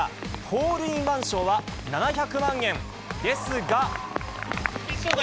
ホールインワン賞は７００万円ですが。